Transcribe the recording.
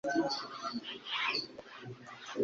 We n'umuvaridimwe we bitwaga «abana b'inkuba.»